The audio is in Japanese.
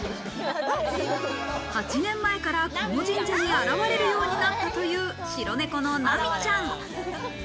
８年前からこの神社に現れるようになったという白猫のなみちゃん。